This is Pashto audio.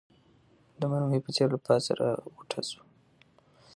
د مرمۍ په څېر له پاسه راغوټه سو